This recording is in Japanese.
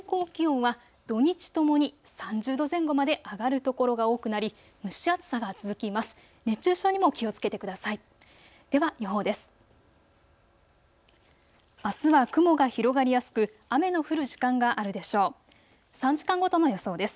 そして最高気温は土日ともに３０度前後まで上がる所が多くなり蒸し暑さが続きます。